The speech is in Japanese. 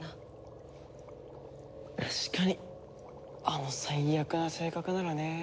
確かにあの最悪な性格ならね。